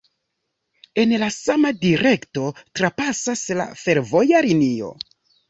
En la sama direkto trapasas la fervoja linio.